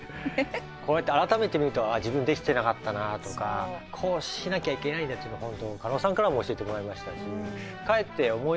こうやって改めて見ると「ああ自分できてなかったな」とか「こうしなきゃいけないんだ」というのを鹿野さんからも教えてもらいましたし。